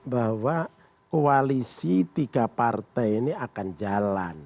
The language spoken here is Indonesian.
bahwa koalisi tiga partai ini akan jalan